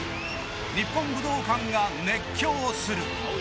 日本武道館が熱狂する。